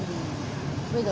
thế thì chị chị